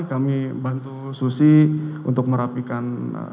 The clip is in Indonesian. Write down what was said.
kami bantu susi untuk merapikan